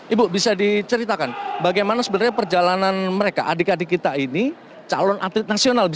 ibu bisa diceritakan bagaimana sebenarnya perjalanan mereka adik adik kita ini calon atlet nasional